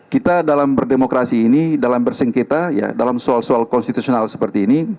kita dalam berdemokrasi ini dalam bersengketa dalam soal soal konstitusional seperti ini